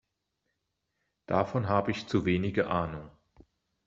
Davon habe ich zu wenige Ahnung.